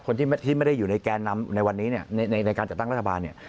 คนที่ไม่ได้อยู่ในแกนนำในวันนี้เนี่ยในการจัดตั้งรัฐบาลเนี่ย